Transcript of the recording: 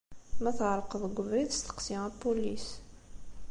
Ma tɛerqeḍ deg ubrid, steqsi apulis.